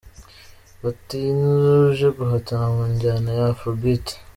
Vantizzo uje guhatana mu njyana ya Afro beat.